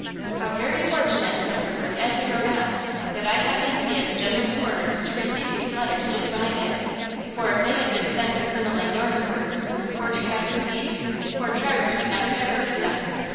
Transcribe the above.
"How very fortunate," said Herbert, as he rode on, "that I happened to be at the General's quarters to receive these letters just when I did; for if they had been sent to Colonel Le Noir's quarters or to Captain Z.'s, poor Traverse would never have heard of them.